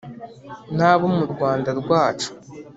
n'abo mu rwanda rwacu,